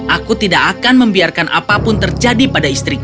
aku tidak akan membiarkan apapun terjadi pada istriku